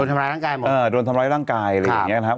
ทำร้ายร่างกายหมดเลยเออโดนทำร้ายร่างกายอะไรอย่างเงี้นะครับ